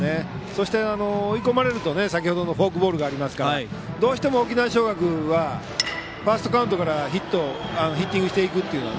そして追い込まれると先程のフォークボールがあるのでどうしても沖縄尚学はファーストカウントからヒッティングしていくという。